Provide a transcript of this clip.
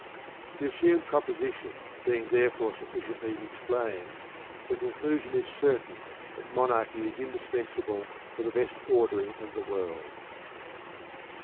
10. The assumed proposition *' being thiere fore sufficiently explained, the conclusion is tain that Monarchy is indispei&able for the ordering of the world.